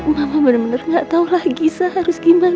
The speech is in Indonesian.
mama benar benar nggak tahu lagi sasha harus gimana